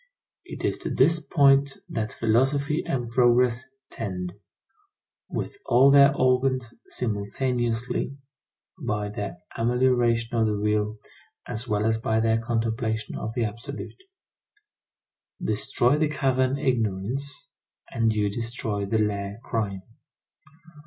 It is to this point that philosophy and progress tend, with all their organs simultaneously, by their amelioration of the real, as well as by their contemplation of the absolute. Destroy the cavern Ignorance and you destroy the lair Crime.